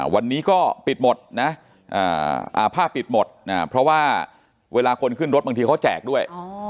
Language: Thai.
วันนี้ก็ปิดหมดนะผ้าปิดหมดเพราะว่าเวลาคนขึ้นรถบางทีเขาแจกด้วย